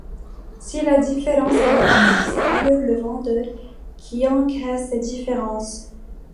Si la différence est négative, c'est alors le vendeur qui encaisse cette différence.